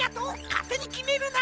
かってにきめるな！